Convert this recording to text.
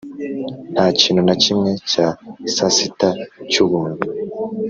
nta kintu na kimwe cya sasita cy'ubuntu